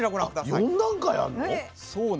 ４段階あるの？